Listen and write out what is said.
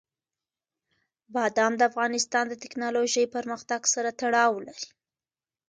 بادام د افغانستان د تکنالوژۍ پرمختګ سره تړاو لري.